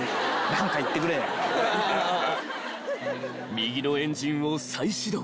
［右のエンジンを再始動］